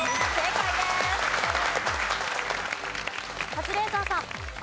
カズレーザーさん。